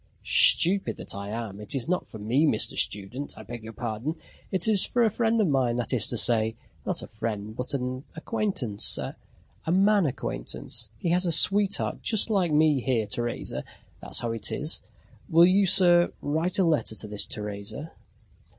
"Stupid that I am! It is not for me, Mr. Student, I beg your pardon. It is for a friend of mine, that is to say, not a friend but an acquaintance a man acquaintance. He has a sweetheart just like me here, Teresa. That's how it is. Will you, sir, write a letter to this Teresa?"